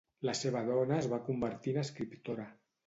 La seva dona es va convertir en escriptora.